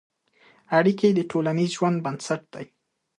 اړیکې د ټولنیز ژوند بنسټ دي.